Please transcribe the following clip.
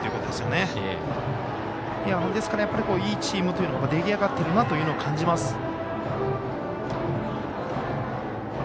ですから、いいチームというのが出来上がっているなと感じます。